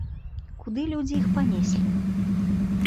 Куды людзі іх панеслі?